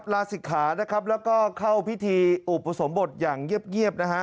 ลาสิกขาและเข้าพิธีอุปสมบทอย่างเย็บนะฮะ